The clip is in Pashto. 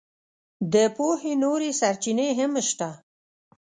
د پوهې نورې سرچینې هم شته.